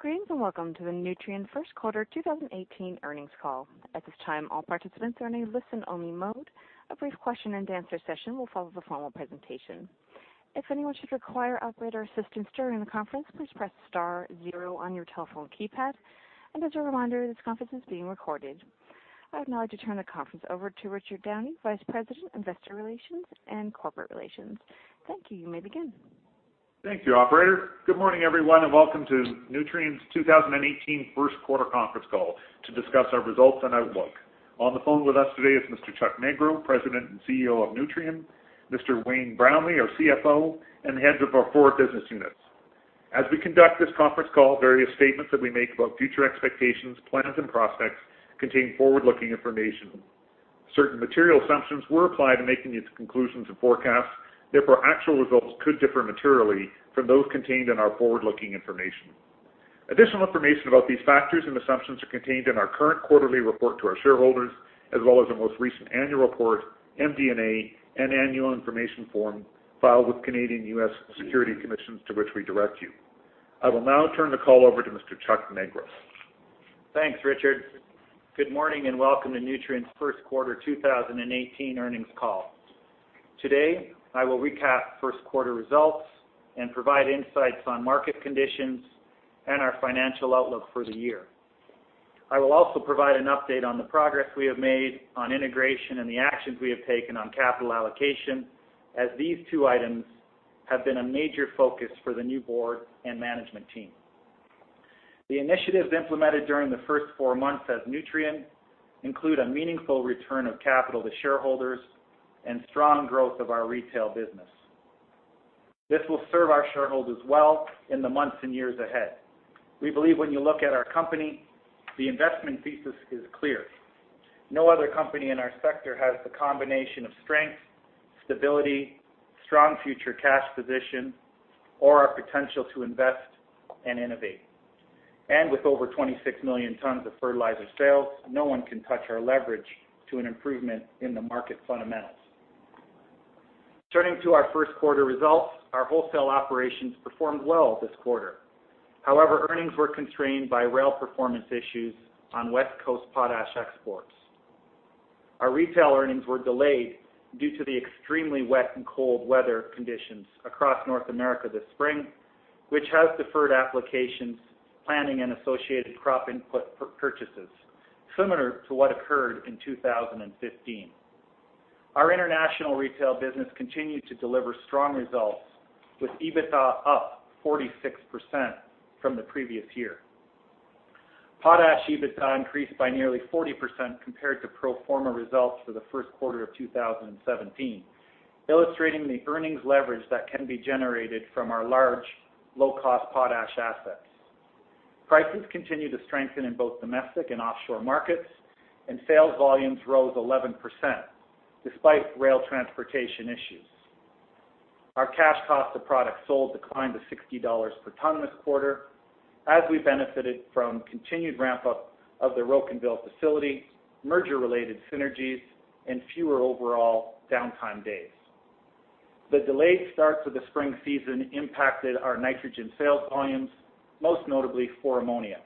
Greetings, welcome to the Nutrien first quarter 2018 earnings call. At this time, all participants are in a listen-only mode. A brief question and answer session will follow the formal presentation. If anyone should require operator assistance during the conference, please press star zero on your telephone keypad. As a reminder, this conference is being recorded. I would now like to turn the conference over to Richard Downey, Vice President, Investor Relations and Corporate Relations. Thank you. You may begin. Thank you, operator. Good morning, everyone, welcome to Nutrien's 2018 first quarter conference call to discuss our results and outlook. On the phone with us today is Mr. Chuck Magro, President and CEO of Nutrien, Mr. Wayne Brownlee, our CFO, and the heads of our four business units. As we conduct this conference call, various statements that we make about future expectations, plans, and prospects contain forward-looking information. Certain material assumptions were applied in making these conclusions and forecasts, therefore, actual results could differ materially from those contained in our forward-looking information. Additional information about these factors and assumptions are contained in our current quarterly report to our shareholders, as well as our most recent annual report, MD&A, and annual information form filed with Canadian and U.S. security commissions, to which we direct you. I will now turn the call over to Mr. Chuck Magro. Thanks, Richard. Good morning, welcome to Nutrien's first quarter 2018 earnings call. Today, I will recap first quarter results and provide insights on market conditions and our financial outlook for the year. I will also provide an update on the progress we have made on integration and the actions we have taken on capital allocation, as these two items have been a major focus for the new board and management team. The initiatives implemented during the first four months as Nutrien include a meaningful return of capital to shareholders and strong growth of our retail business. This will serve our shareholders well in the months and years ahead. We believe when you look at our company, the investment thesis is clear. No other company in our sector has the combination of strength, stability, strong future cash position, or our potential to invest and innovate. With over 26 million tons of fertilizer sales, no one can touch our leverage to an improvement in the market fundamentals. Turning to our first quarter results, our wholesale operations performed well this quarter. However, earnings were constrained by rail performance issues on West Coast potash exports. Our retail earnings were delayed due to the extremely wet and cold weather conditions across North America this spring, which has deferred applications, planning, and associated crop input purchases, similar to what occurred in 2015. Our international retail business continued to deliver strong results, with EBITDA up 46% from the previous year. Potash EBITDA increased by nearly 40% compared to pro forma results for the first quarter of 2017, illustrating the earnings leverage that can be generated from our large, low-cost potash assets. Prices continue to strengthen in both domestic and offshore markets, sales volumes rose 11%, despite rail transportation issues. Our cash cost of products sold declined to 60 dollars per ton this quarter as we benefited from continued ramp-up of the Rocanville facility, merger-related synergies, and fewer overall downtime days. The delayed start to the spring season impacted our nitrogen sales volumes, most notably for ammonia.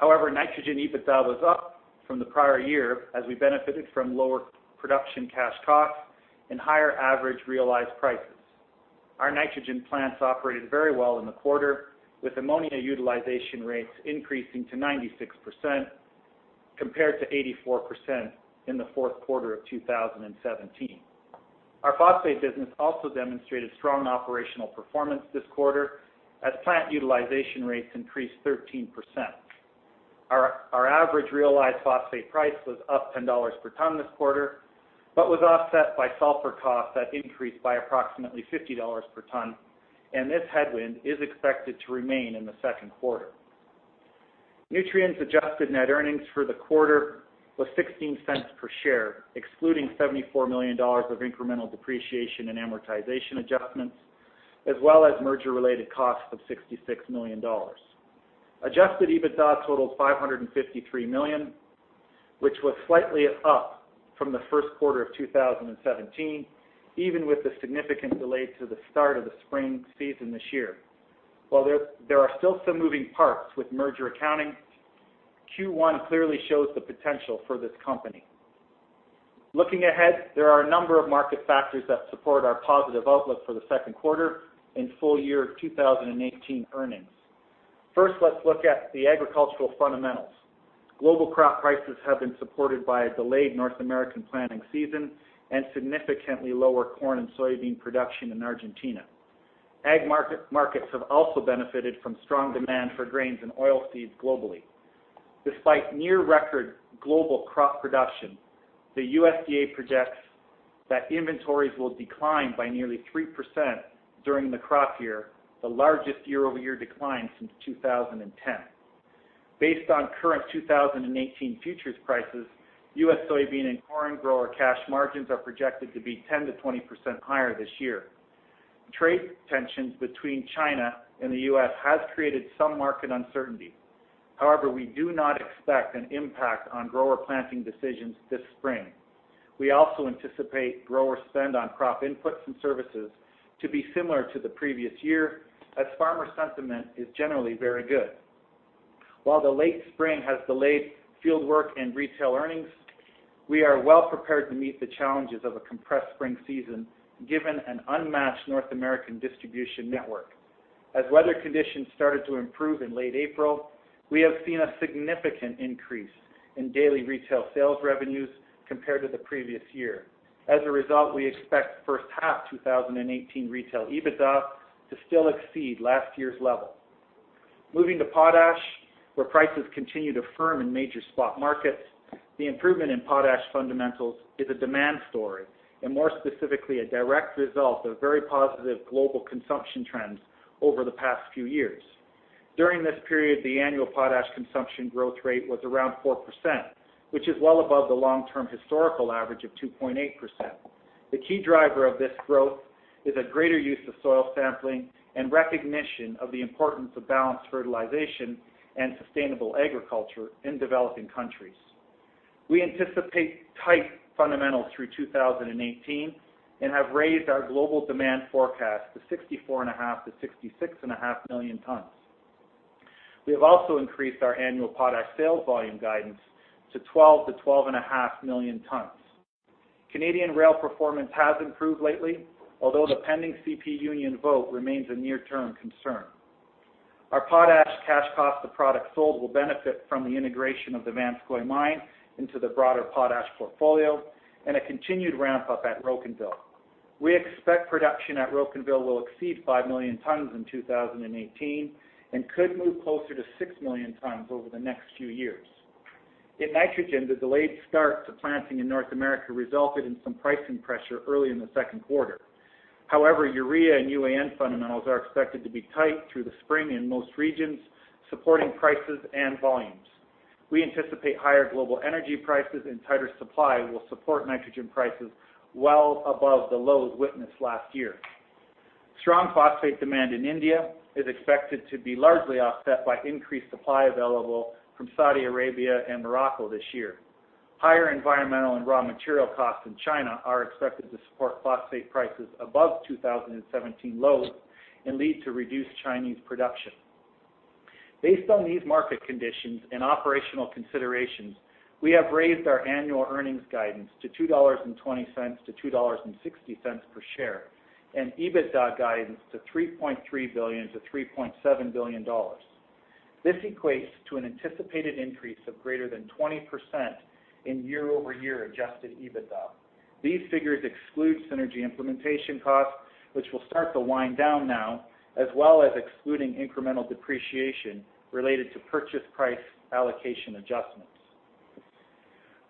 Nitrogen EBITDA was up from the prior year as we benefited from lower production cash costs and higher average realized prices. Our nitrogen plants operated very well in the quarter, with ammonia utilization rates increasing to 96%, compared to 84% in the fourth quarter of 2017. Our phosphate business also demonstrated strong operational performance this quarter as plant utilization rates increased 13%. Our average realized phosphate price was up 10 dollars per ton this quarter, but was offset by sulfur costs that increased by approximately 50 dollars per ton, and this headwind is expected to remain in the second quarter. Nutrien's adjusted net earnings for the quarter was 0.16 per share, excluding 74 million dollars of incremental depreciation and amortization adjustments, as well as merger-related costs of 66 million dollars. Adjusted EBITDA totaled 553 million, which was slightly up from the first quarter of 2017, even with the significant delay to the start of the spring season this year. While there are still some moving parts with merger accounting, Q1 clearly shows the potential for this company. Looking ahead, there are a number of market factors that support our positive outlook for the second quarter and full year 2018 earnings. First, let's look at the agricultural fundamentals. Global crop prices have been supported by a delayed North American planting season and significantly lower corn and soybean production in Argentina. Ag markets have also benefited from strong demand for grains and oilseeds globally. Despite near-record global crop production, the USDA projects that inventories will decline by nearly 3% during the crop year, the largest year-over-year decline since 2010. Based on current 2018 futures prices, U.S. soybean and corn grower cash margins are projected to be 10%-20% higher this year. Trade tensions between China and the U.S. has created some market uncertainty. We do not expect an impact on grower planting decisions this spring. We also anticipate grower spend on crop inputs and services to be similar to the previous year, as farmer sentiment is generally very good. While the late spring has delayed fieldwork and retail earnings, we are well-prepared to meet the challenges of a compressed spring season given an unmatched North American distribution network. As weather conditions started to improve in late April, we have seen a significant increase in daily retail sales revenues compared to the previous year. As a result, we expect first-half 2018 retail EBITDA to still exceed last year's level. Moving to potash, where prices continue to firm in major spot markets, the improvement in potash fundamentals is a demand story and more specifically, a direct result of very positive global consumption trends over the past few years. During this period, the annual potash consumption growth rate was around 4%, which is well above the long-term historical average of 2.8%. The key driver of this growth is a greater use of soil sampling and recognition of the importance of balanced fertilization and sustainable agriculture in developing countries. We anticipate tight fundamentals through 2018 and have raised our global demand forecast to 64.5 to 66.5 million tons. We have also increased our annual potash sales volume guidance to 12-12.5 million tons. Canadian rail performance has improved lately, although the pending CP union vote remains a near-term concern. Our potash cash cost of products sold will benefit from the integration of the Vanscoy mine into the broader potash portfolio and a continued ramp-up at Rocanville. We expect production at Rocanville will exceed 5 million tons in 2018 and could move closer to 6 million tons over the next few years. In nitrogen, the delayed start to planting in North America resulted in some pricing pressure early in the second quarter. However, urea and UAN fundamentals are expected to be tight through the spring in most regions, supporting prices and volumes. We anticipate higher global energy prices and tighter supply will support nitrogen prices well above the lows witnessed last year. Strong phosphate demand in India is expected to be largely offset by increased supply available from Saudi Arabia and Morocco this year. Higher environmental and raw material costs in China are expected to support phosphate prices above 2017 lows and lead to reduced Chinese production. Based on these market conditions and operational considerations, we have raised our annual earnings guidance to 2.20-2.60 dollars per share, and EBITDA guidance to 3.3 billion-3.7 billion dollars. This equates to an anticipated increase of greater than 20% in year-over-year adjusted EBITDA. These figures exclude synergy implementation costs, which will start to wind down now, as well as excluding incremental depreciation related to purchase price allocation adjustments.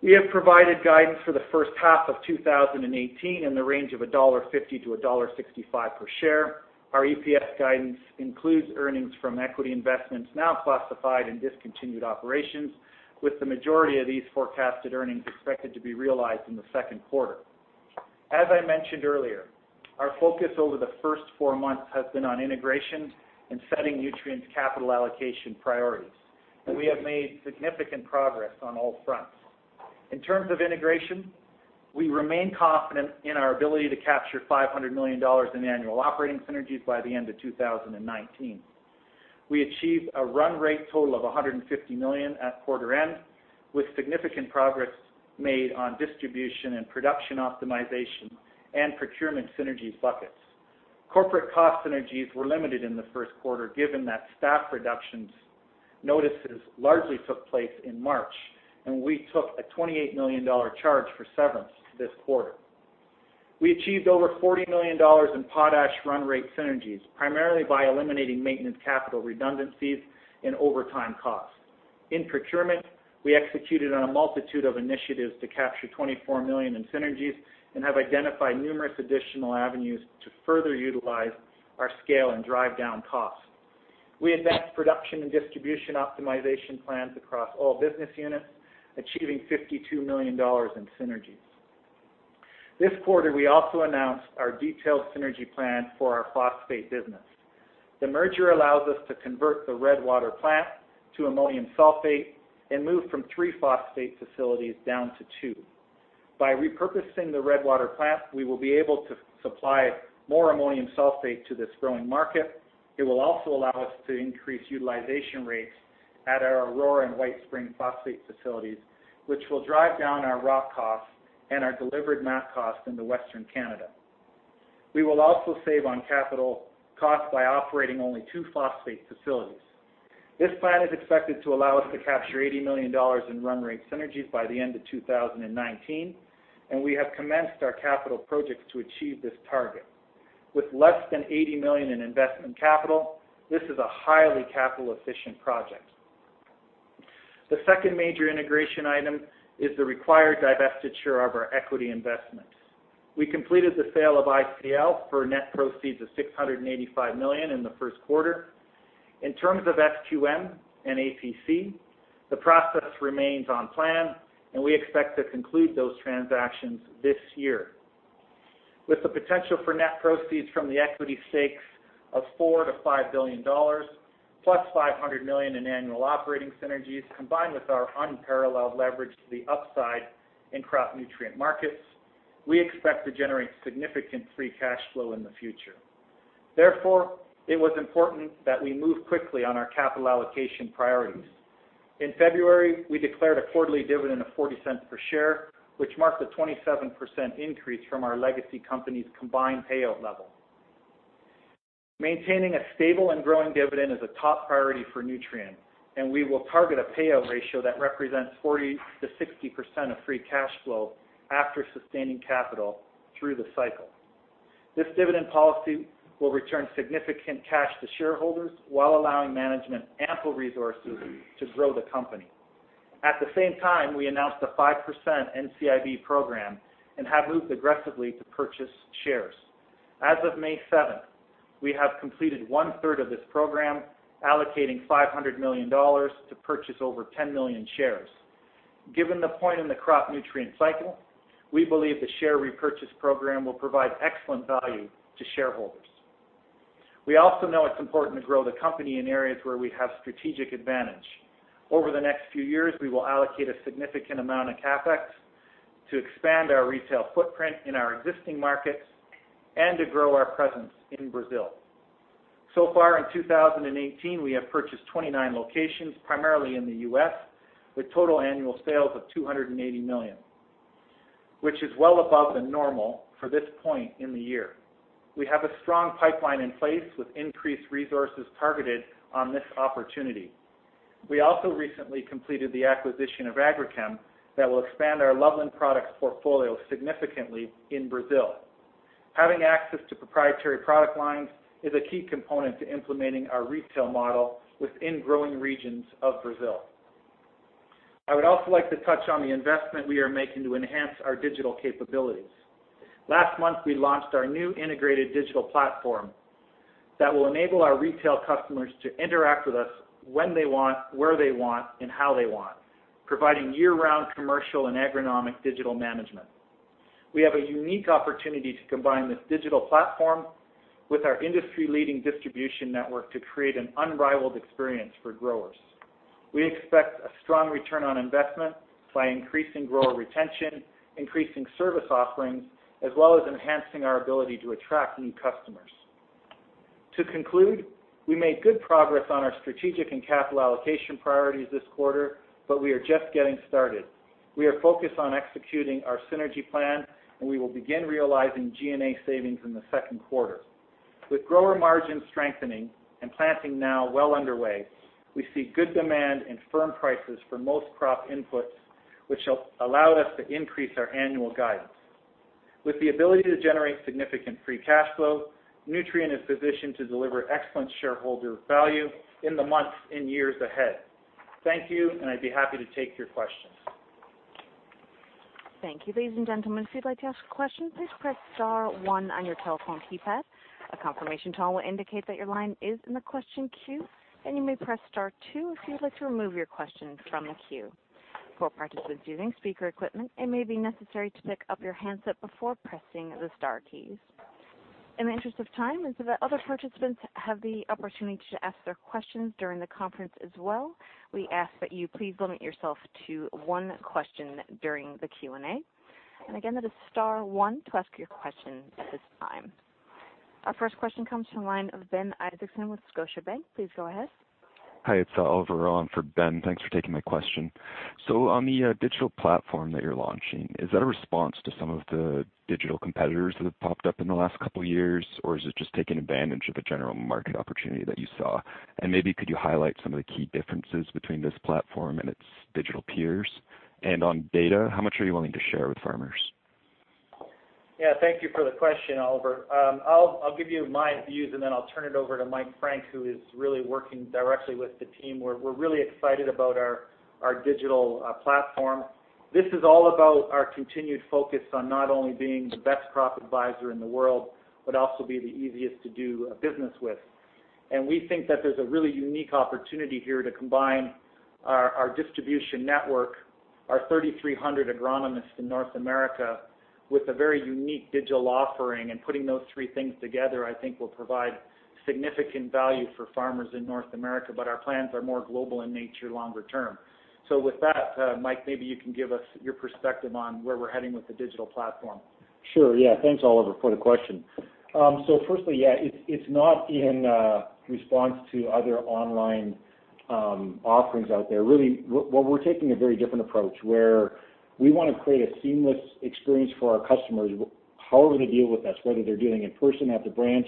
We have provided guidance for the first half of 2018 in the range of 1.50-1.65 dollar per share. Our EPS guidance includes earnings from equity investments now classified in discontinued operations, with the majority of these forecasted earnings expected to be realized in the second quarter. As I mentioned earlier, our focus over the first four months has been on integration and setting Nutrien's capital allocation priorities. We have made significant progress on all fronts. In terms of integration, we remain confident in our ability to capture 500 million dollars in annual operating synergies by the end of 2019. We achieved a run rate total of 150 million at quarter end, with significant progress made on distribution and production optimization and procurement synergies buckets. Corporate cost synergies were limited in the first quarter given that staff reductions notices largely took place in March, and we took a 28 million dollar charge for severance this quarter. We achieved over 40 million dollars in potash run rate synergies, primarily by eliminating maintenance capital redundancies and overtime costs. In procurement, we executed on a multitude of initiatives to capture 24 million in synergies and have identified numerous additional avenues to further utilize our scale and drive down costs. We advanced production and distribution optimization plans across all business units, achieving 52 million dollars in synergies. This quarter, we also announced our detailed synergy plan for our phosphate business. The merger allows us to convert the Redwater plant to ammonium sulfate and move from three phosphate facilities down to two. By repurposing the Redwater plant, we will be able to supply more ammonium sulfate to this growing market. It will also allow us to increase utilization rates at our Aurora and White Springs phosphate facilities, which will drive down our raw costs and our delivered mass costs into Western Canada. We will also save on capital costs by operating only two phosphate facilities. This plan is expected to allow us to capture 80 million dollars in run rate synergies by the end of 2019, and we have commenced our capital projects to achieve this target. With less than 80 million in investment capital, this is a highly capital-efficient project. The second major integration item is the required divestiture of our equity investment. We completed the sale of ICL for net proceeds of 685 million in the first quarter. In terms of SQM and APC, the process remains on plan, and we expect to conclude those transactions this year. With the potential for net proceeds from the equity stakes of 4 billion-5 billion dollars, plus 500 million in annual operating synergies, combined with our unparalleled leverage to the upside in crop nutrient markets, we expect to generate significant free cash flow in the future. It was important that we move quickly on our capital allocation priorities. In February, we declared a quarterly dividend of 0.40 per share, which marked a 27% increase from our legacy company's combined payout level. Maintaining a stable and growing dividend is a top priority for Nutrien, and we will target a payout ratio that represents 40%-60% of free cash flow after sustaining capital through the cycle. This dividend policy will return significant cash to shareholders while allowing management ample resources to grow the company. At the same time, we announced a 5% NCIB program and have moved aggressively to purchase shares. As of May 7th, we have completed one-third of this program, allocating 500 million dollars to purchase over 10 million shares. Given the point in the crop nutrient cycle, we believe the share repurchase program will provide excellent value to shareholders. We also know it's important to grow the company in areas where we have strategic advantage. Over the next few years, we will allocate a significant amount of CapEx to expand our retail footprint in our existing markets and to grow our presence in Brazil. So far in 2018, we have purchased 29 locations, primarily in the U.S., with total annual sales of 280 million, which is well above the normal for this point in the year. We have a strong pipeline in place with increased resources targeted on this opportunity. We also recently completed the acquisition of Agrichem that will expand our Loveland Products portfolio significantly in Brazil. Having access to proprietary product lines is a key component to implementing our retail model within growing regions of Brazil. I would also like to touch on the investment we are making to enhance our digital capabilities. Last month, we launched our new integrated digital platform that will enable our retail customers to interact with us when they want, where they want and how they want, providing year-round commercial and agronomic digital management. We have a unique opportunity to combine this digital platform with our industry-leading distribution network to create an unrivaled experience for growers. We expect a strong return on investment by increasing grower retention, increasing service offerings, as well as enhancing our ability to attract new customers. To conclude, we made good progress on our strategic and capital allocation priorities this quarter, but we are just getting started. We are focused on executing our synergy plan, and we will begin realizing G&A savings in the second quarter. With grower margins strengthening and planting now well underway, we see good demand and firm prices for most crop inputs, which allowed us to increase our annual guidance. With the ability to generate significant free cash flow, Nutrien is positioned to deliver excellent shareholder value in the months and years ahead. Thank you, and I'd be happy to take your questions. Thank you. Ladies and gentlemen, if you'd like to ask a question, please press star one on your telephone keypad. A confirmation tone will indicate that your line is in the question queue, and you may press star two if you'd like to remove your question from the queue. For participants using speaker equipment, it may be necessary to pick up your handset before pressing the star keys. In the interest of time and so that other participants have the opportunity to ask their questions during the conference as well, we ask that you please limit yourself to one question during the Q&A. Again, that is star one to ask your question at this time. Our first question comes from the line of Ben Isaacson with Scotiabank. Please go ahead. Hi, it's Oliver on for Ben. Thanks for taking my question. On the digital platform that you're launching, is that a response to some of the digital competitors that have popped up in the last couple of years? Is it just taking advantage of a general market opportunity that you saw? Maybe could you highlight some of the key differences between this platform and its digital peers? On data, how much are you willing to share with farmers? Yeah. Thank you for the question, Oliver. I'll give you my views and then I'll turn it over to Mike Frank, who is really working directly with the team. We're really excited about our digital platform. This is all about our continued focus on not only being the best crop advisor in the world, but also be the easiest to do business with. We think that there's a really unique opportunity here to combine our distribution network, our 3,300 agronomists in North America, with a very unique digital offering. Putting those three things together, I think will provide significant value for farmers in North America, but our plans are more global in nature longer term. With that, Mike, maybe you can give us your perspective on where we're heading with the digital platform. Sure. Yeah. Thanks, Oliver, for the question. Firstly, yeah, it's not in response to other online offerings out there. Really, we're taking a very different approach where we want to create a seamless experience for our customers, however they deal with us, whether they're dealing in person at the branch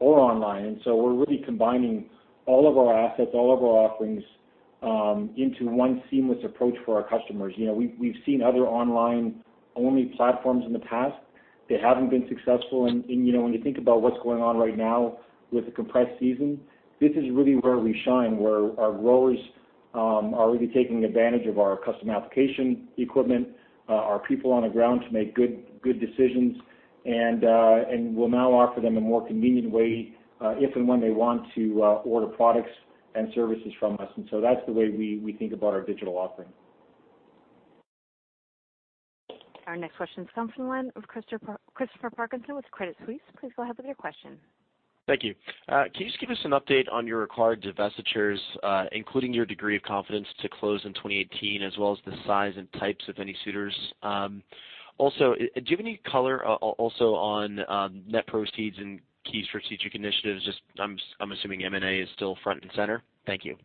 or online. We're really combining all of our assets, all of our offerings into one seamless approach for our customers. We've seen other online-only platforms in the past that haven't been successful. When you think about what's going on right now with the compressed season, this is really where we shine, where our growers are really taking advantage of our custom application equipment, our people on the ground to make good decisions, and we'll now offer them a more convenient way if and when they want to order products and services from us. That's the way we think about our digital offering. Our next question comes from the line of Christopher Parkinson with Credit Suisse. Please go ahead with your question. Thank you. Can you just give us an update on your required divestitures, including your degree of confidence to close in 2018, as well as the size and types of any suitors? Do you have any color also on net proceeds and key strategic initiatives? I'm assuming M&A is still front and center. Thank you.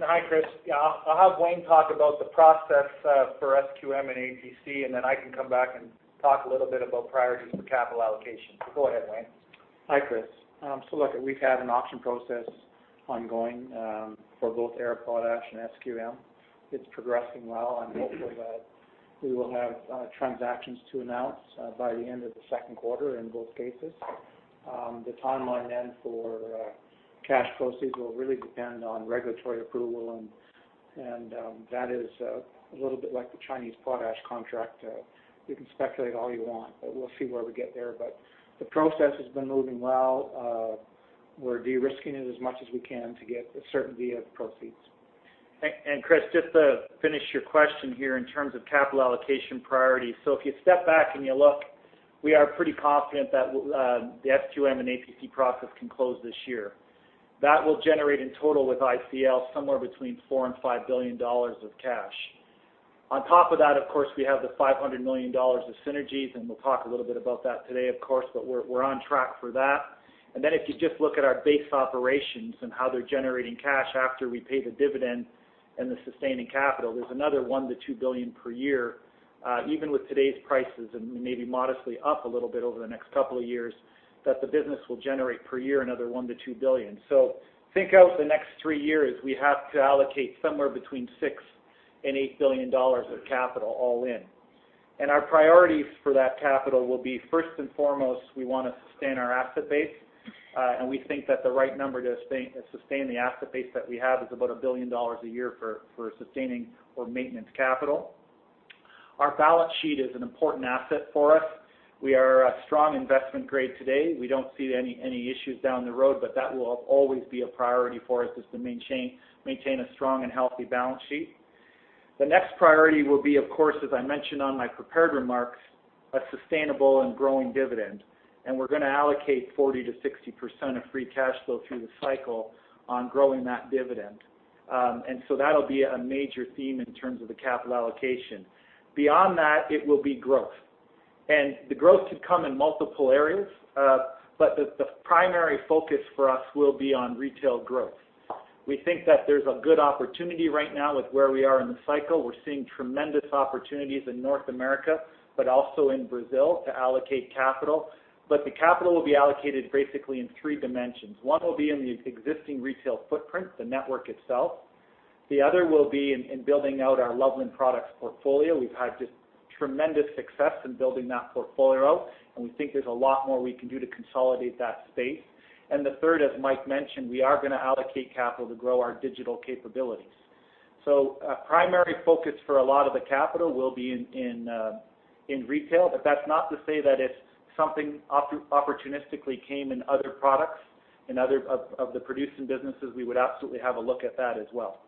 Hi, Chris. Yeah, I'll have Wayne talk about the process for SQM and APC, then I can come back and talk a little bit about priorities for capital allocation. Go ahead, Wayne. Hi, Chris. Look, we've had an auction process ongoing for both Arab Potash and SQM. It's progressing well. I'm hopeful that we will have transactions to announce by the end of the second quarter in both cases. The timeline for cash proceeds will really depend on regulatory approval, that is a little bit like the Chinese potash contract. You can speculate all you want, we'll see where we get there. The process has been moving well. We're de-risking it as much as we can to get the certainty of the proceeds. Chris, just to finish your question here in terms of capital allocation priority. If you step back, we are pretty confident that the SQM and APC process can close this year. That will generate in total with ICL, somewhere between 4 billion and 5 billion dollars of cash. On top of that, we have the 500 million dollars of synergies, we'll talk a little bit about that today, we're on track for that. If you just look at our base operations and how they're generating cash after we pay the dividend and the sustaining capital, there's another 1 billion to 2 billion per year even with today's prices, maybe modestly up a little bit over the next couple of years, that the business will generate per year another 1 billion to 2 billion. Think out the next three years, we have to allocate somewhere between 6 billion and 8 billion dollars of capital all in. Our priorities for that capital will be first and foremost, we want to sustain our asset base. We think that the right number to sustain the asset base that we have is about 1 billion dollars a year for sustaining or maintenance capital. Our balance sheet is an important asset for us. We are a strong investment grade today. We don't see any issues down the road, that will always be a priority for us, is to maintain a strong and healthy balance sheet. The next priority will be, as I mentioned on my prepared remarks, a sustainable and growing dividend. We're going to allocate 40%-60% of free cash flow through the cycle on growing that dividend. That'll be a major theme in terms of the capital allocation. Beyond that, it will be growth. The growth could come in multiple areas, but the primary focus for us will be on retail growth. We think that there's a good opportunity right now with where we are in the cycle. We're seeing tremendous opportunities in North America, but also in Brazil to allocate capital. The capital will be allocated basically in three dimensions. One will be in the existing retail footprint, the network itself. The other will be in building out our Loveland Products portfolio. We've had just tremendous success in building that portfolio, and we think there's a lot more we can do to consolidate that space. The third, as Mike mentioned, we are going to allocate capital to grow our digital capabilities. A primary focus for a lot of the capital will be in retail, but that's not to say that if something opportunistically came in other products of the producing businesses, we would absolutely have a look at that as well.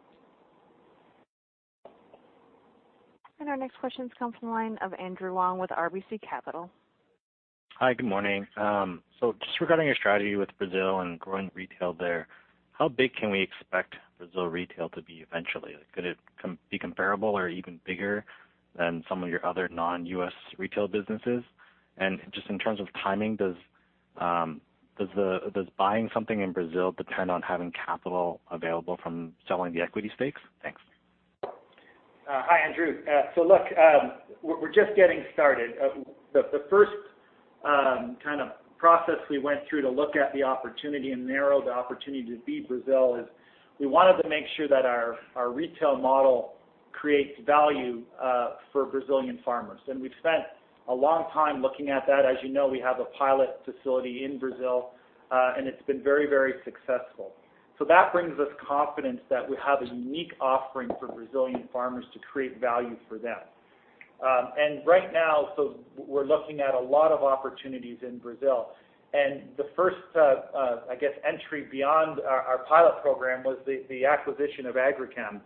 Our next question comes from the line of Andrew Wong with RBC Capital. Hi, good morning. Just regarding your strategy with Brazil and growing retail there, how big can we expect Brazil retail to be eventually? Could it be comparable or even bigger than some of your other non-U.S. retail businesses? Just in terms of timing, does buying something in Brazil depend on having capital available from selling the equity stakes? Thanks. Hi, Andrew. Look, we're just getting started. The first kind of process we went through to look at the opportunity and narrow the opportunity to be Brazil is we wanted to make sure that our retail model creates value for Brazilian farmers. We've spent a long time looking at that. As you know, we have a pilot facility in Brazil, and it's been very successful. That brings us confidence that we have a unique offering for Brazilian farmers to create value for them. Right now, we're looking at a lot of opportunities in Brazil. The first I guess entry beyond our pilot program was the acquisition of Agrichem,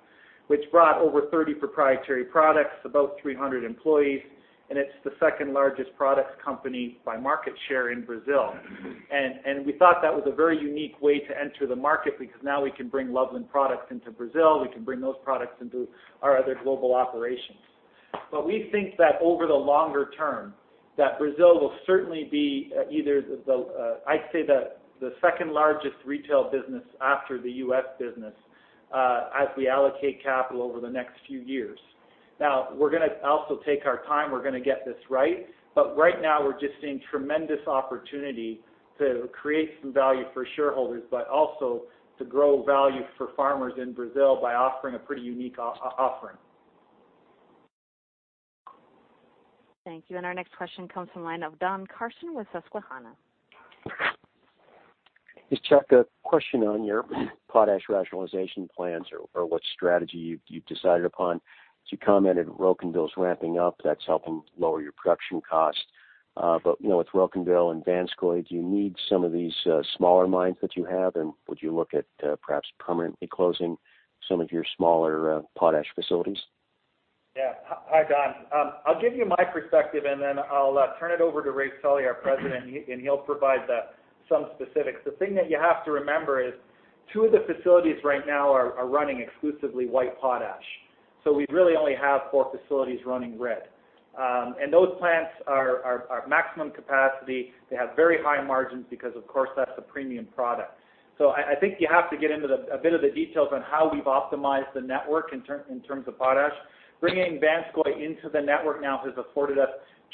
which brought over 30 proprietary products, about 300 employees, and it's the second-largest products company by market share in Brazil. We thought that was a very unique way to enter the market because now we can bring Loveland Products into Brazil. We can bring those products into our other global operations. We think that over the longer term, that Brazil will certainly be either the, I'd say, the second-largest retail business after the U.S. business, as we allocate capital over the next few years. We're going to also take our time. We're going to get this right. Right now, we're just seeing tremendous opportunity to create some value for shareholders, but also to grow value for farmers in Brazil by offering a pretty unique offering. Thank you. Our next question comes from the line of Don Carson with Susquehanna. Chuck, a question on your potash rationalization plans or what strategy you've decided upon. You commented Rocanville's ramping up, that's helping lower your production cost. With Rocanville and Vanscoy, do you need some of these smaller mines that you have? Would you look at perhaps permanently closing some of your smaller potash facilities? Yeah. Hi, Don. I'll give you my perspective, then I'll turn it over to Rafe Sully, our president, and he'll provide some specifics. The thing that you have to remember is 2 of the facilities right now are running exclusively white potash. We really only have 4 facilities running red. Those plants are maximum capacity. They have very high margins because, of course, that's a premium product. I think you have to get into a bit of the details on how we've optimized the network in terms of potash. Bringing Vanscoy into the network now has afforded us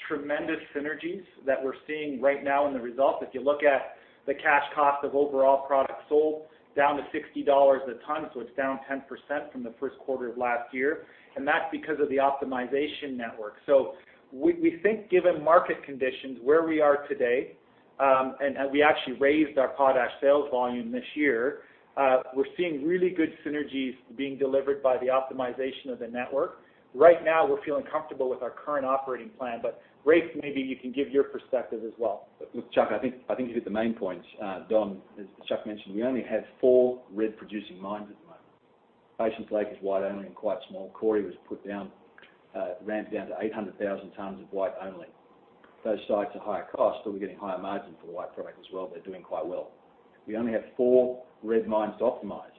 tremendous synergies that we're seeing right now in the results. If you look at the cash cost of overall product sold, down to 60 dollars a ton, it's down 10% from the first quarter of last year, and that's because of the optimization network. We think given market conditions where we are today, and we actually raised our potash sales volume this year, we're seeing really good synergies being delivered by the optimization of the network. Right now, we're feeling comfortable with our current operating plan. Chuck, maybe you can give your perspective as well. Look, Chuck, I think you hit the main points, Don. As Chuck mentioned, we only have 4 red-producing mines at the moment. Patience Lake is white only and quite small. Cory was ramped down to 800,000 tons of white only. Those sites are higher cost, but we're getting higher margin for the white product as well. They're doing quite well. We only have 4 red mines to optimize.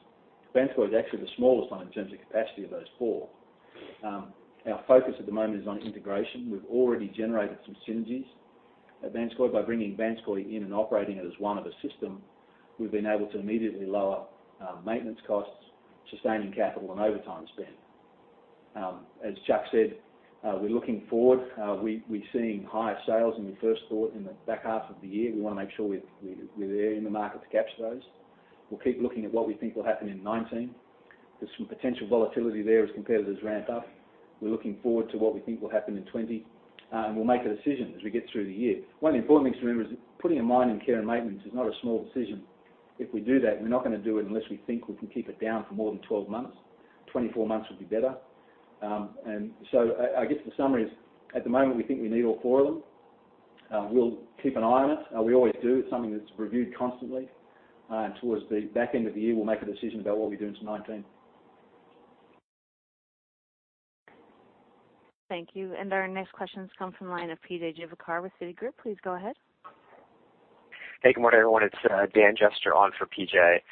Vanscoy is actually the smallest mine in terms of capacity of those 4. Our focus at the moment is on integration. We've already generated some synergies at Vanscoy. By bringing Vanscoy in and operating it as one of a system, we've been able to immediately lower maintenance costs, sustaining capital and overtime spend. As Chuck said, we're looking forward. We're seeing higher sales than we first thought in the back half of the year. We want to make sure we're there in the market to capture those. We'll keep looking at what we think will happen in 2019. There's some potential volatility there as competitors ramp up. We're looking forward to what we think will happen in 2020. We'll make a decision as we get through the year. One of the important things to remember is that putting a mine in care and maintenance is not a small decision. If we do that, we're not going to do it unless we think we can keep it down for more than 12 months. 24 months would be better. I guess the summary is, at the moment, we think we need all 4 of them. We'll keep an eye on it. We always do. It's something that's reviewed constantly. Towards the back end of the year, we'll make a decision about what we do into 2019. Thank you. Our next question comes from the line of P.J. Juvekar with Citigroup. Please go ahead. Hey, good morning, everyone. It's Dan Jester on for P.J.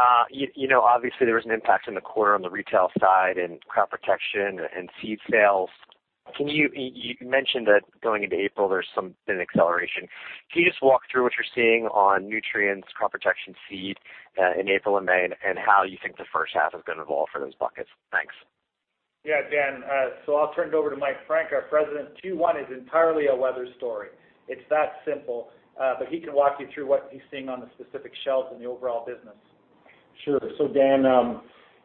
Obviously, there was an impact in the quarter on the retail side in crop protection and seed sales. You mentioned that going into April, there's been an acceleration. Can you just walk through what you're seeing on nutrients, crop protection seed in April and May, and how you think the first half is going to evolve for those buckets? Thanks. Yeah, Dan. I'll turn it over to Mike Frank, our President. Q1 is entirely a weather story. It's that simple. He can walk you through what he's seeing on the specific shelves in the overall business. Sure. Dan,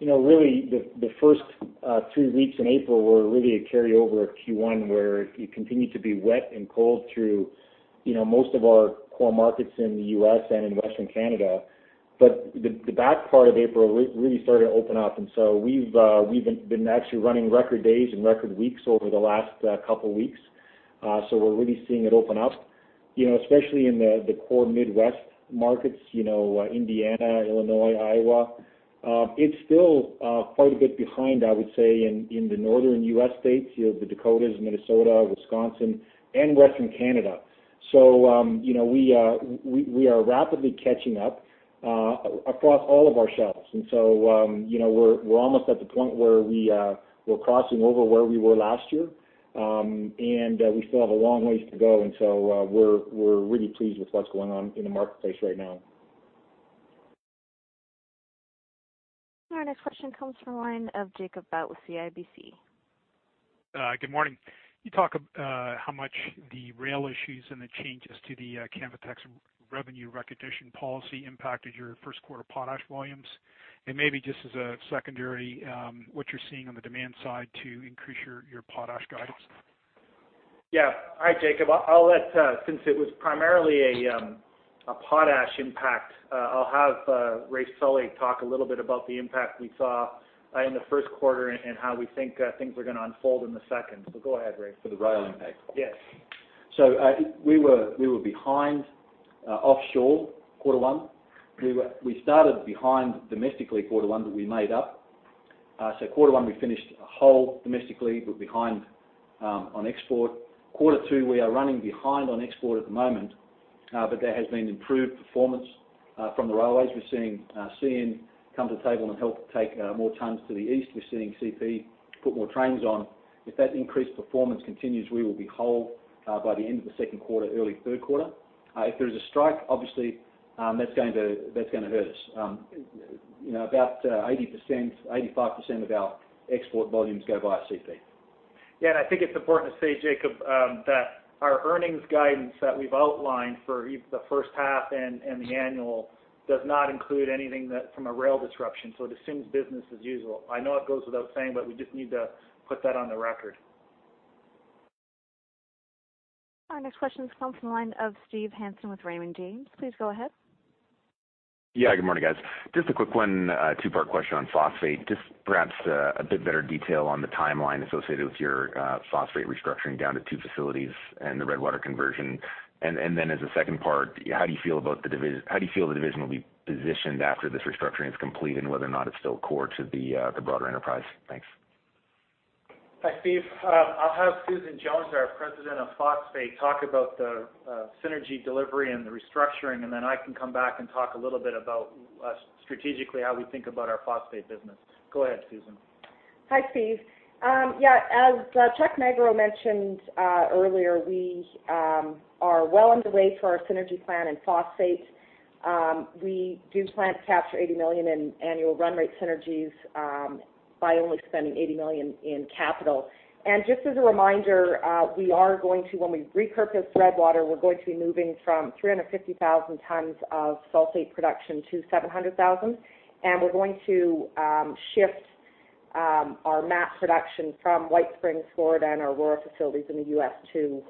really the first two weeks in April were really a carryover of Q1, where it continued to be wet and cold through most of our core markets in the U.S. and in Western Canada. The back part of April really started to open up, we've been actually running record days and record weeks over the last couple of weeks. We're really seeing it open up, especially in the core Midwest markets, Indiana, Illinois, Iowa. It's still quite a bit behind, I would say, in the northern U.S. states, the Dakotas, Minnesota, Wisconsin, and Western Canada. We are rapidly catching up across all of our shelves. We're almost at the point where we're crossing over where we were last year, and we still have a long ways to go. We're really pleased with what's going on in the marketplace right now. Our next question comes from the line of Jacob Bout with CIBC. Good morning. Can you talk how much the rail issues and the changes to the Canpotex revenue recognition policy impacted your first quarter potash volumes? Maybe just as a secondary, what you're seeing on the demand side to increase your potash guidance? Yeah. Hi, Jacob. Since it was primarily a potash impact, I'll have Rafe Sully talk a little bit about the impact we saw in the first quarter and how we think things are going to unfold in the second. Go ahead, Rafe Sully. For the rail impact? Yes. We were behind offshore quarter one. We started behind domestically quarter one, but we made up. Quarter one, we finished whole domestically. We're behind on export. Quarter two, we are running behind on export at the moment, but there has been improved performance from the railways. We're seeing CN come to the table and help take more tons to the east. We're seeing CP put more trains on. If that increased performance continues, we will be whole by the end of the second quarter, early third quarter. If there is a strike, obviously, that's going to hurt us. About 80%, 85% of our export volumes go via CP. Yeah, I think it's important to say, Jacob, that our earnings guidance that we've outlined for the first half and the annual does not include anything from a rail disruption, it assumes business as usual. I know it goes without saying, we just need to put that on the record. Our next question comes from the line of Steve Hansen with Raymond James. Please go ahead. Yeah, good morning, guys. Just a quick one two-part question on phosphate. Just perhaps a bit better detail on the timeline associated with your phosphate restructuring down to two facilities and the Redwater conversion. As a second part, how do you feel the division will be positioned after this restructuring is complete, and whether or not it's still core to the broader enterprise? Thanks. Hi, Steve. I'll have Susan Jones, our President of Phosphate, talk about the synergy delivery and the restructuring. I can come back and talk a little bit about strategically how we think about our phosphate business. Go ahead, Susan. Hi, Steve. Yeah, as Chuck Magro mentioned earlier, we are well underway to our synergy plan in phosphate. We do plan to capture 80 million in annual run rate synergies by only spending 80 million in capital. Just as a reminder, when we repurpose Redwater, we're going to be moving from 350,000 tons of sulfate production to 700,000 tons, and we're going to shift our MAP production from White Springs, Florida, and our Aurora facilities in the U.S. to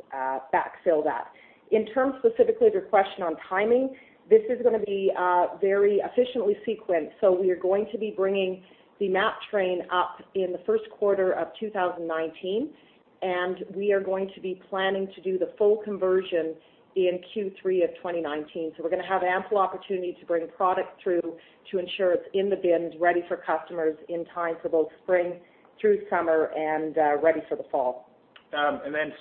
backfill that. In terms specifically of your question on timing, this is going to be very efficiently sequenced. We are going to be bringing the MAP train up in the first quarter of 2019, and we are going to be planning to do the full conversion in Q3 of 2019. We're going to have ample opportunity to bring product through to ensure it's in the bins, ready for customers in time for both spring through summer and ready for the fall.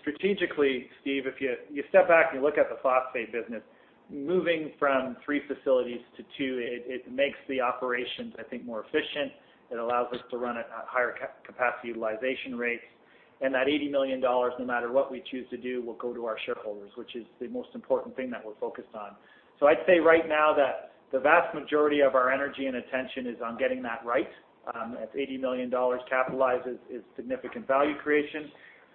Strategically, Steve, if you step back and you look at the phosphate business, moving from three facilities to two, it makes the operations, I think, more efficient. It allows us to run at higher capacity utilization rates. That 80 million dollars, no matter what we choose to do, will go to our shareholders, which is the most important thing that we are focused on. I'd say right now that the vast majority of our energy and attention is on getting that right. That 80 million dollars capitalized is significant value creation.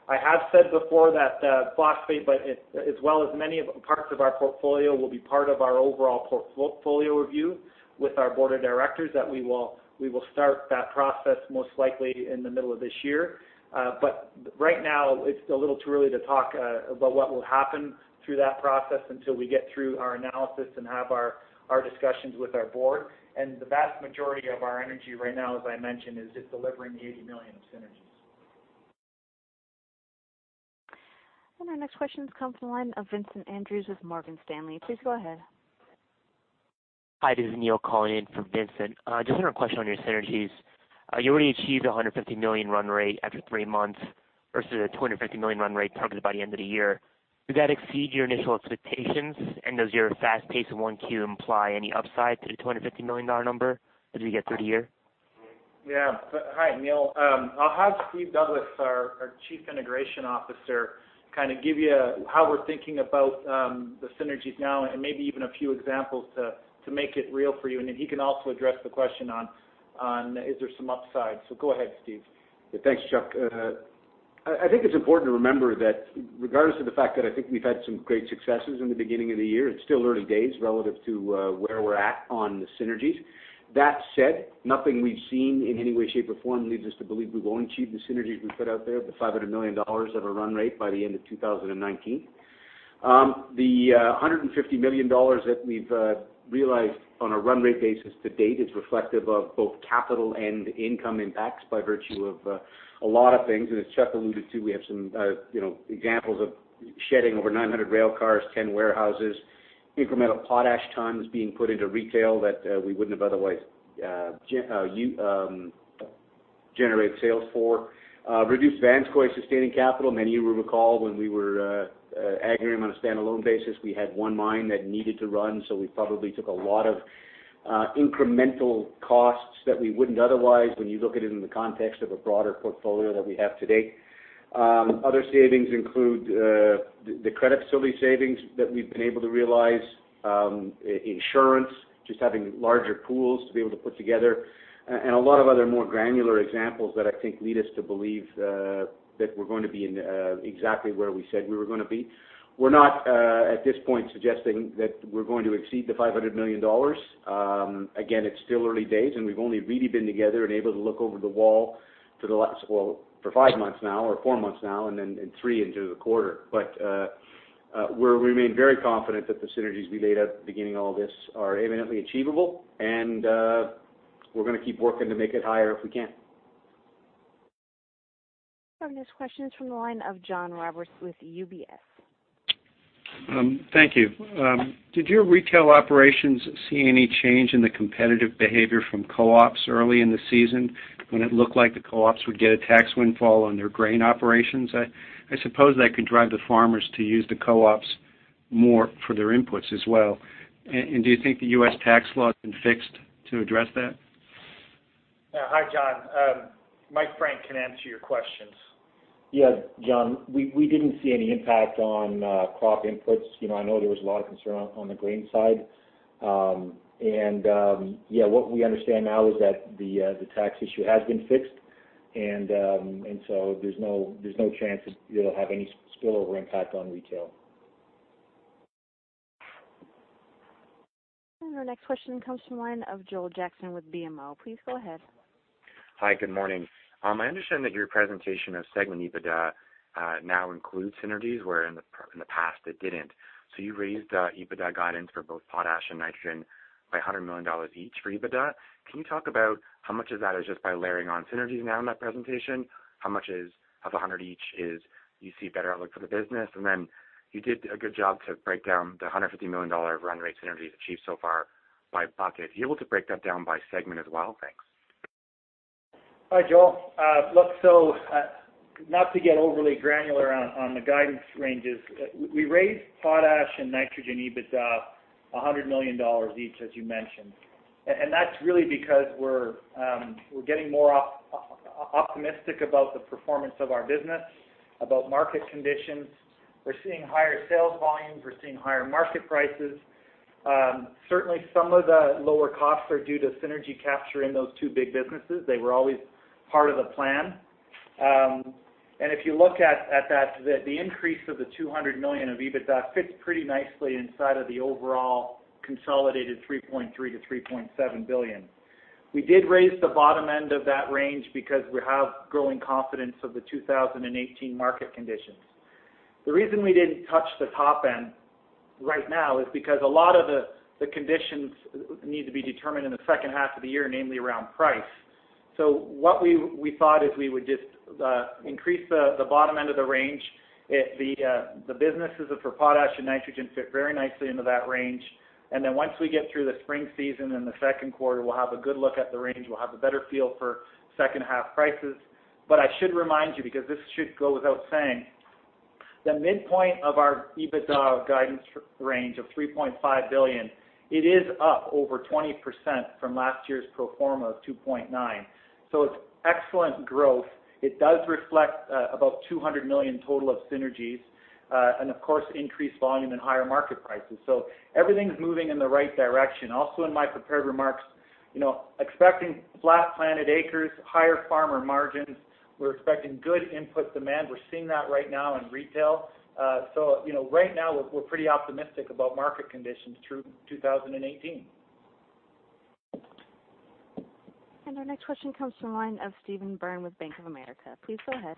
I have said before that phosphate, but as well as many parts of our portfolio, will be part of our overall portfolio review with our board of directors that we will start that process most likely in the middle of this year. Right now it's a little too early to talk about what will happen through that process until we get through our analysis and have our discussions with our board. The vast majority of our energy right now, as I mentioned, is just delivering the 80 million of synergies. Our next question comes from the line of Vincent Andrews with Morgan Stanley. Please go ahead. Hi, this is Neil calling in for Vincent. Just another question on your synergies. You already achieved 150 million run rate after three months versus a 250 million run rate targeted by the end of the year. Did that exceed your initial expectations? Does your fast pace of Q1 imply any upside to the 250 million dollar number as we get through the year? Hi, Neil. I'll have Steve Douglas, our Chief Integration Officer, give you how we're thinking about the synergies now and maybe even a few examples to make it real for you. Then he can also address the question on is there some upside. Go ahead, Steve. Thanks, Chuck. I think it's important to remember that regardless of the fact that I think we've had some great successes in the beginning of the year, it's still early days relative to where we're at on the synergies. That said, nothing we've seen in any way, shape, or form leads us to believe we won't achieve the synergies we put out there of the 500 million dollars of a run rate by the end of 2019. The 150 million dollars that we've realized on a run rate basis to date is reflective of both capital and income impacts by virtue of a lot of things, as Chuck alluded to, we have some examples of shedding over 900 rail cars, 10 warehouses, incremental potash tons being put into retail that we wouldn't have otherwise generated sales for. Reduced Vanscoy sustaining capital. Many of you will recall when we were Agrium on a standalone basis, we had one mine that needed to run, we probably took a lot of incremental costs that we wouldn't otherwise when you look at it in the context of a broader portfolio that we have today. Other savings include the credit facility savings that we've been able to realize, insurance, just having larger pools to be able to put together, and a lot of other more granular examples that I think lead us to believe that we're going to be in exactly where we said we were going to be. We're not at this point suggesting that we're going to exceed the 500 million dollars. Again, it's still early days, and we've only really been together and able to look over the wall for five months now or four months now, then three into the quarter. We remain very confident that the synergies we laid out at the beginning of all this are eminently achievable and we're going to keep working to make it higher if we can. Our next question is from the line of John Roberts with UBS. Thank you. Did your retail operations see any change in the competitive behavior from co-ops early in the season when it looked like the co-ops would get a tax windfall on their grain operations? I suppose that could drive the farmers to use the co-ops more for their inputs as well. Do you think the U.S. tax law has been fixed to address that? Yeah. Hi, John. Mike Frank can answer your questions. Yeah, John, we didn't see any impact on crop inputs. I know there was a lot of concern on the grain side. Yeah, what we understand now is that the tax issue has been fixed, so there's no chance it'll have any spillover impact on retail. Our next question comes from the line of Joel Jackson with BMO. Please go ahead. Hi, good morning. I understand that your presentation of segment EBITDA now includes synergies, where in the past it didn't. You raised EBITDA guidance for both potash and nitrogen by 100 million dollars each for EBITDA. Can you talk about how much of that is just by layering on synergies now in that presentation? How much of the 100 each is you see better outlook for the business? Then you did a good job to break down the 150 million dollar run rate synergies achieved so far. by bucket. Are you able to break that down by segment as well? Thanks. Hi, Joel. Look, not to get overly granular on the guidance ranges, we raised potash and nitrogen EBITDA 100 million dollars each, as you mentioned. That's really because we're getting more optimistic about the performance of our business, about market conditions. We're seeing higher sales volumes. We're seeing higher market prices. Certainly, some of the lower costs are due to synergy capture in those two big businesses. They were always part of the plan. If you look at that, the increase of the 200 million of EBITDA fits pretty nicely inside of the overall consolidated 3.3 billion-3.7 billion. We did raise the bottom end of that range because we have growing confidence of the 2018 market conditions. The reason we didn't touch the top end right now is because a lot of the conditions need to be determined in the second half of the year, namely around price. What we thought is we would just increase the bottom end of the range. The businesses for potash and nitrogen fit very nicely into that range. Then once we get through the spring season in the second quarter, we'll have a good look at the range. We'll have a better feel for second half prices. I should remind you, because this should go without saying, the midpoint of our EBITDA guidance range of 3.5 billion, it is up over 20% from last year's pro forma of 2.9 billion. It's excellent growth. It does reflect about 200 million total of synergies, and of course, increased volume and higher market prices. Everything's moving in the right direction. Also in my prepared remarks, expecting flat planted acres, higher farmer margins. We're expecting good input demand. We're seeing that right now in retail. Right now, we're pretty optimistic about market conditions through 2018. Our next question comes from the line of Steve Byrne with Bank of America. Please go ahead.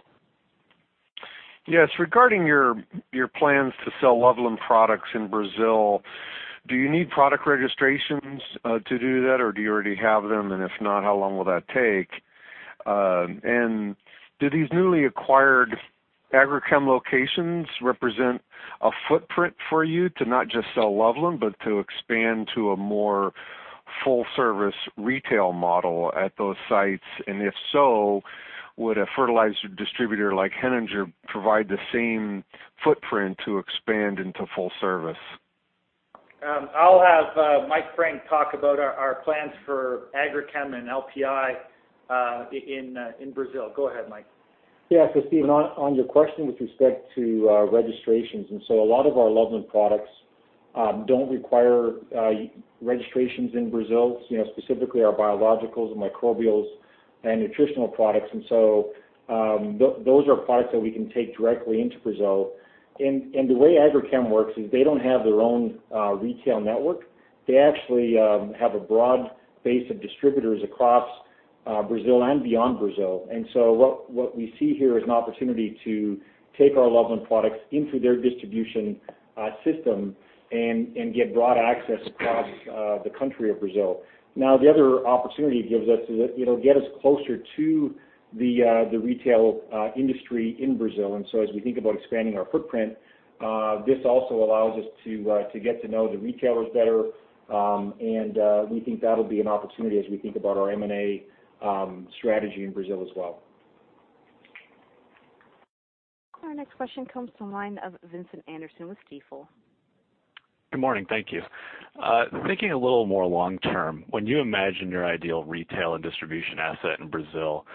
Yes. Regarding your plans to sell Loveland products in Brazil, do you need product registrations to do that, or do you already have them, and if not, how long will that take? Do these newly acquired Agrichem locations represent a footprint for you to not just sell Loveland, but to expand to a more full service retail model at those sites, and if so, would a fertilizer distributor like Heringer provide the same footprint to expand into full service? I'll have Mike Frank talk about our plans for Agrichem and LPI in Brazil. Go ahead, Mike. Yeah. Steven, on your question with respect to registrations, a lot of our Loveland products don't require registrations in Brazil, specifically our biologicals and microbials and nutritional products. Those are products that we can take directly into Brazil. The way Agrichem works is they don't have their own retail network. They actually have a broad base of distributors across Brazil and beyond Brazil. What we see here is an opportunity to take our Loveland products into their distribution system and get broad access across the country of Brazil. Now, the other opportunity it gives us is it'll get us closer to the retail industry in Brazil. As we think about expanding our footprint, this also allows us to get to know the retailers better. We think that'll be an opportunity as we think about our M&A strategy in Brazil as well. Our next question comes from the line of Vincent Anderson with Stifel. Good morning. Thank you. Thinking a little more long term, when you imagine your ideal retail and distribution asset in Brazil,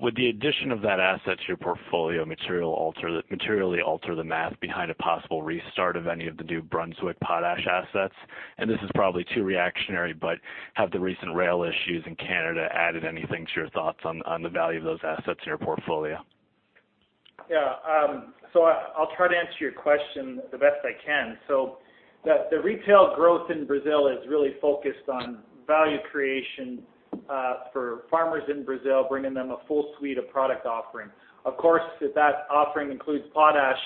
would the addition of that asset to your portfolio materially alter the math behind a possible restart of any of the New Brunswick potash assets? This is probably too reactionary, but have the recent rail issues in Canada added anything to your thoughts on the value of those assets in your portfolio? Yeah. I'll try to answer your question the best I can. The retail growth in Brazil is really focused on value creation for farmers in Brazil, bringing them a full suite of product offering. Of course, if that offering includes potash,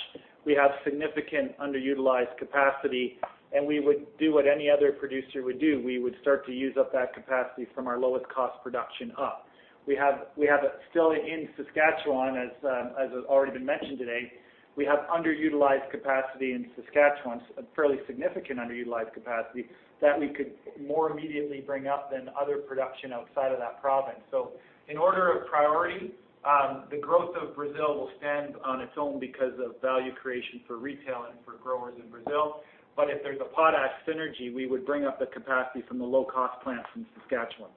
we have significant underutilized capacity, and we would do what any other producer would do. We would start to use up that capacity from our lowest cost production up. Still in Saskatchewan, as has already been mentioned today, we have underutilized capacity in Saskatchewan, fairly significant underutilized capacity that we could more immediately bring up than other production outside of that province. In order of priority, the growth of Brazil will stand on its own because of value creation for retail and for growers in Brazil. If there's a potash synergy, we would bring up the capacity from the low-cost plants in Saskatchewan.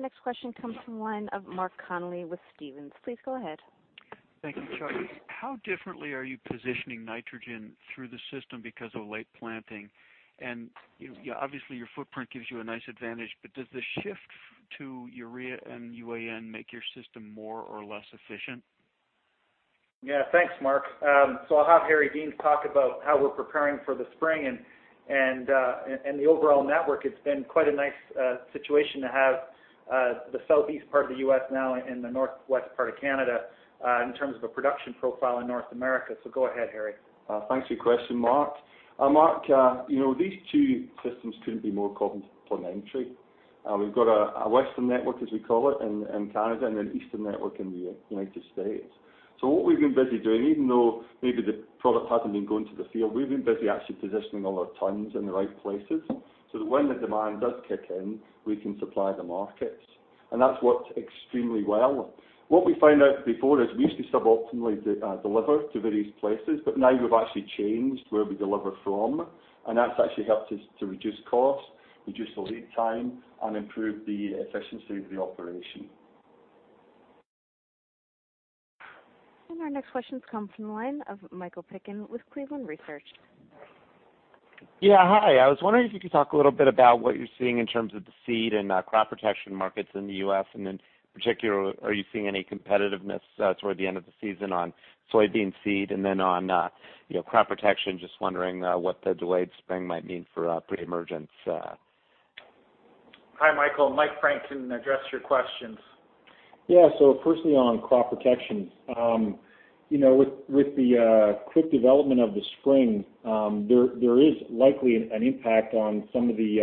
Our next question comes from the line of Mark Connelly with Stephens. Please go ahead. Thank you. Chuck, how differently are you positioning nitrogen through the system because of late planting? Obviously, your footprint gives you a nice advantage, but does the shift to urea and UAN make your system more or less efficient? Yeah. Thanks, Mark. I'll have Harry Deans talk about how we're preparing for the spring and the overall network. It's been quite a nice situation to have the southeast part of the U.S. now and the northwest part of Canada in terms of a production profile in North America. Go ahead, Harry. Thanks for your question, Mark. Mark, these two systems couldn't be more complementary. We've got a western network, as we call it, in Canada, and an eastern network in the United States. What we've been busy doing, even though maybe the product hasn't been going to the field, we've been busy actually positioning all our tons in the right places, so that when the demand does kick in, we can supply the markets. That's worked extremely well. What we found out before is we used to sub-optimally deliver to various places, now we've actually changed where we deliver from, and that's actually helped us to reduce costs, reduce the lead time, and improve the efficiency of the operation. Our next questions come from the line of Michael Picken with Cleveland Research. Yeah, hi. I was wondering if you could talk a little bit about what you're seeing in terms of the seed and crop protection markets in the U.S., particularly, are you seeing any competitiveness towards the end of the season on soybean seed and then on crop protection? Just wondering what the delayed spring might mean for pre-emergence. Hi, Michael. Mike Frank can address your questions. Yeah. Firstly, on crop protection. With the quick development of the spring, there is likely an impact on some of the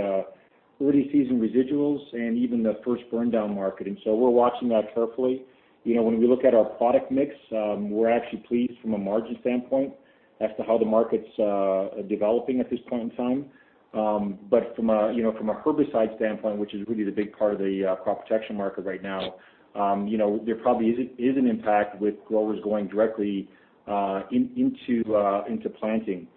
early-season residuals and even the first burndown market. We're watching that carefully. When we look at our product mix, we're actually pleased from a margin standpoint as to how the market's developing at this point in time. From a herbicide standpoint, which is really the big part of the crop protection market right now, there probably is an impact with growers going directly into planting.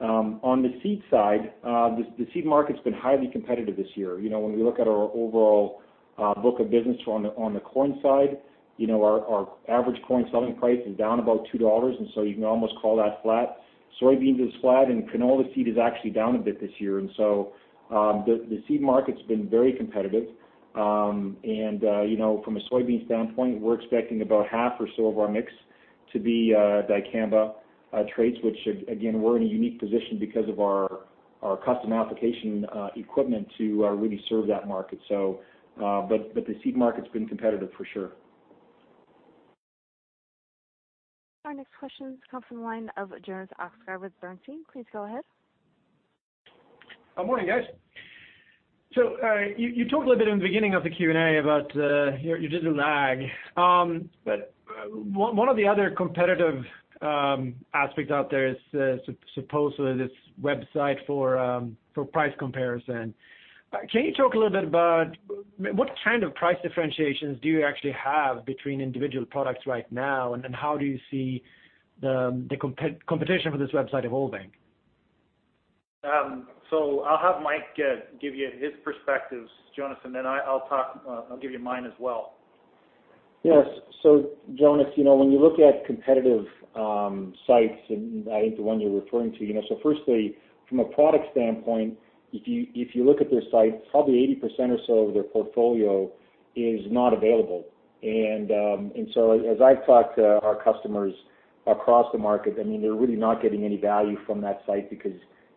On the seed side, the seed market's been highly competitive this year. When we look at our overall book of business on the corn side, our average corn selling price is down about 2 dollars, you can almost call that flat. Soybeans is flat and canola seed is actually down a bit this year. The seed market's been very competitive. From a soybeans standpoint, we're expecting about half or so of our mix to be dicamba traits, which again, we're in a unique position because of our custom application equipment to really serve that market. The seed market's been competitive, for sure. Our next questions come from the line of Jonas Oxgaard with Berenberg. Please go ahead. Good morning, guys. You talked a little bit in the beginning of the Q&A about your digital ag. One of the other competitive aspects out there is supposedly this website for price comparison. Can you talk a little bit about what kind of price differentiations do you actually have between individual products right now, and then how do you see the competition for this website evolving? I'll have Mike give you his perspectives, Jonas, and then I'll give you mine as well. Yes. Jonas, when you look at competitive sites, and I think the one you're referring to, so firstly, from a product standpoint, if you look at their site, probably 80% or so of their portfolio is not available. As I've talked to our customers across the market, they're really not getting any value from that site because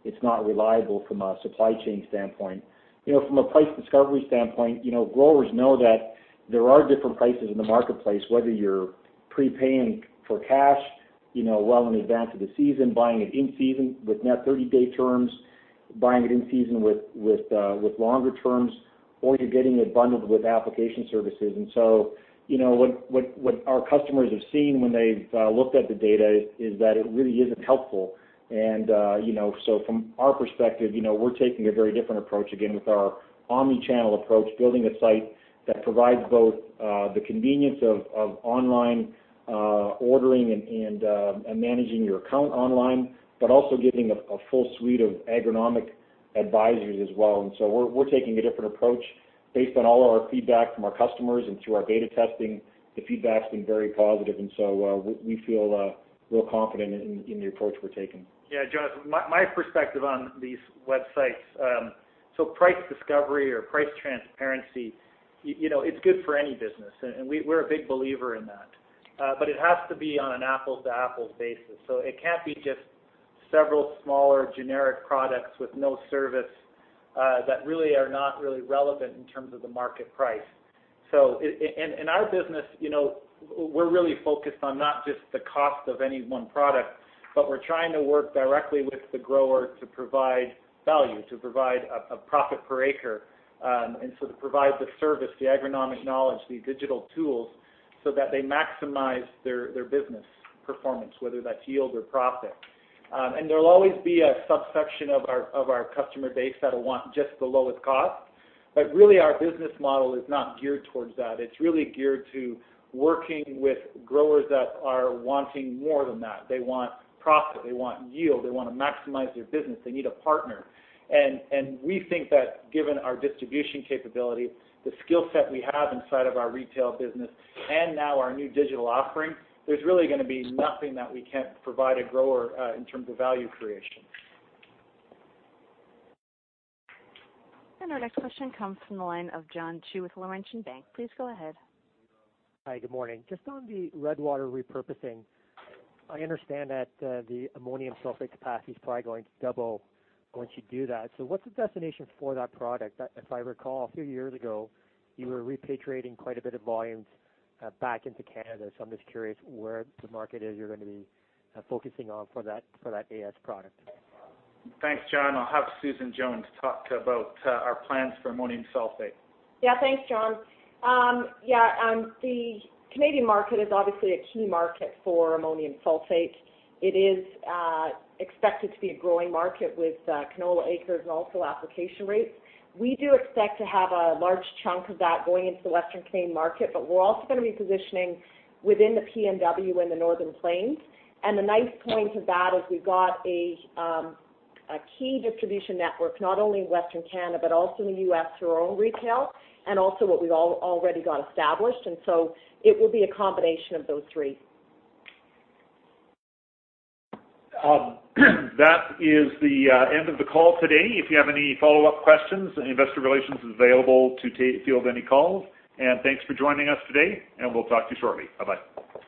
it's not reliable from a supply chain standpoint. From a price discovery standpoint, growers know that there are different prices in the marketplace, whether you're prepaying for cash well in advance of the season, buying it in season with net 30-day terms, buying it in season with longer terms, or you're getting it bundled with application services. What our customers have seen when they've looked at the data is that it really isn't helpful. From our perspective, we're taking a very different approach, again, with our omni-channel approach, building a site that provides both the convenience of online ordering and managing your account online, but also giving a full suite of agronomic advisories as well. We're taking a different approach based on all our feedback from our customers and through our beta testing. The feedback's been very positive, and so we feel real confident in the approach we're taking. Yeah, Jonas, my perspective on these websites. Price discovery or price transparency, it's good for any business, and we're a big believer in that. It has to be on an apples-to-apples basis. It can't be just several smaller generic products with no service that really are not really relevant in terms of the market price. In our business, we're really focused on not just the cost of any one product, but we're trying to work directly with the grower to provide value, to provide a profit per acre. To provide the service, the agronomic knowledge, the digital tools so that they maximize their business performance, whether that's yield or profit. There'll always be a subsection of our customer base that'll want just the lowest cost. Really, our business model is not geared towards that. It's really geared to working with growers that are wanting more than that. They want profit. They want yield. They want to maximize their business. They need a partner. We think that given our distribution capability, the skill set we have inside of our retail business, and now our new digital offering, there's really going to be nothing that we can't provide a grower in terms of value creation. Our next question comes from the line of John Chu with Laurentian Bank. Please go ahead. Hi, good morning. Just on the Redwater repurposing, I understand that the ammonium sulfate capacity is probably going to double once you do that. What's the destination for that product? If I recall, a few years ago, you were repatriating quite a bit of volumes back into Canada, I'm just curious where the market is you're going to be focusing on for that AS product. Thanks, John. I'll have Susan Jones talk about our plans for ammonium sulfate. Thanks, John. The Canadian market is obviously a key market for ammonium sulfate. It is expected to be a growing market with canola acres and also application rates. We do expect to have a large chunk of that going into the Western Canadian market, we're also going to be positioning within the PNW and the Northern Plains. The nice point to that is we've got a key distribution network, not only in Western Canada, also in the U.S. through our own retail and also what we've already got established. It will be a combination of those three. That is the end of the call today. If you have any follow-up questions, Investor Relations is available to field any calls. Thanks for joining us today, we'll talk to you shortly. Bye-bye.